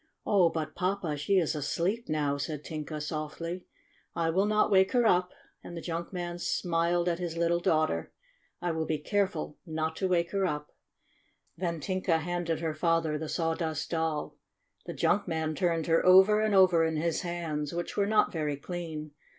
"Oh, but, Papa, she is asleep, now," said Tinka softly. "I will not wake her up," and the junk man smiled at his little daughter. "I will be careful not to wake her up." Then Tinka handed her father the Saw 07 98 STORY OF A SAWDUST DOLL dust Doll. The junk man turned her over and over in his hands, which were not very clean.